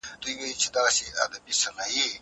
هر کلمه په خپل ځای په ډېر هنر کارول شوې.